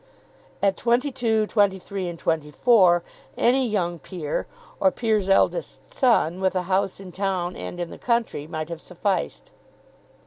At twenty two, twenty three, and twenty four any young peer, or peer's eldest son, with a house in town and in the country, might have sufficed.